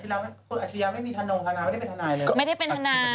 อาชญาไม่มีธนงธนายไม่ได้เป็นธนายเลย